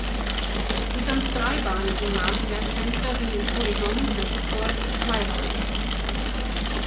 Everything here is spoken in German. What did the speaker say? Die sonst dreibahnigen Maßwerkfenster sind im Polygon des Chors zweibahnig.